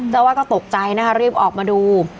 เจ้าอาวาสก็ตกใจนะคะรีบออกมาดู